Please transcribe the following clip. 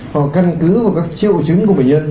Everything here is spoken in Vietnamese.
còn căn cứ vào các triệu chứng của bệnh nhân